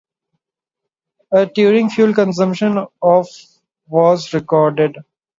A "touring" fuel consumption of was recorded.